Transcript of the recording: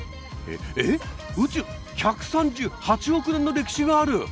えっ宇宙１３８億年の歴史がある！